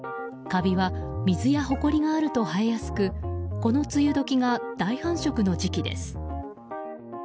カビは水やほこりがあると生えやすくこの梅雨時が大繁殖の時期です。